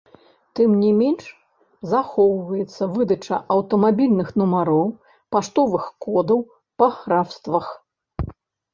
Тым не менш, захоўваецца выдача аўтамабільных нумароў, паштовых кодаў па графствах.